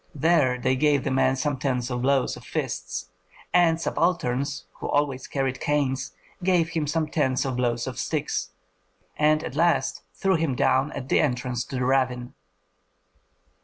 There they gave the man some tens of blows of fists, and subalterns who always carried canes gave him some tens of blows of sticks, and at last threw him down at the entrance to the ravine.